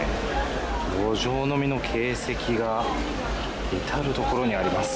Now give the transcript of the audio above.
路上飲みの形跡が至る所にあります。